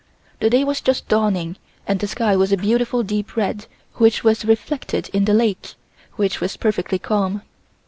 The day was just dawning and the sky was a beautiful deep red which was reflected in the lake, which was perfectly calm.